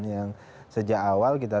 yang sejak awal kita